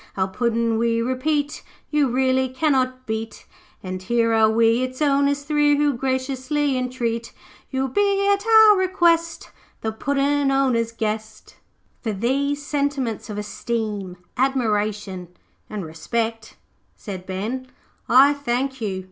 'Our Puddin', we repeat, You really cannot beat, And here are we its owners three Who graciously intreat You'll be at our request, The Puddin' owners' guest.' 'For these sentiments of esteem, admiration, and respect,' said Ben, 'I thank you.